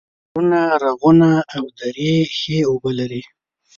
غرونه، رغونه او درې ښې اوبه لري